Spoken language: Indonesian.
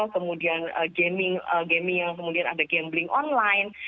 kemudian gaming yang kemudian ada gambling online